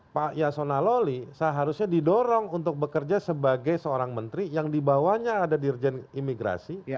pak yasona loli seharusnya didorong untuk bekerja sebagai seorang menteri yang dibawanya ada dirjen imigrasi